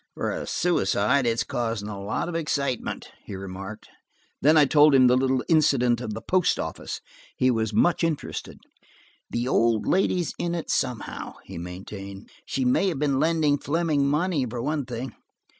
"For a suicide it's causing a lot of excitement," he remarked. When I told him the little incident of the post office, he was much interested. "The old lady's in it, somehow," he maintained. "She may have been lending Fleming money, for one thing.